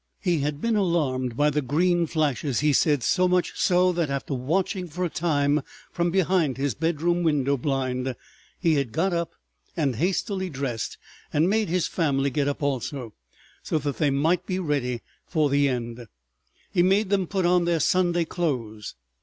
He had been alarmed by the green flashes, he said, so much so that after watching for a time from behind his bedroom window blind, he had got up and hastily dressed and made his family get up also, so that they might be ready for the end. He made them put on their Sunday clothes.